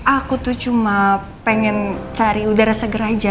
aku tuh cuma pengen cari udara seger aja